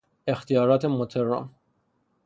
اختیارات مطران